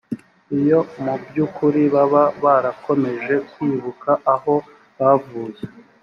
iyo mu by’ukuri baba barakomeje kwibuka aho bavuye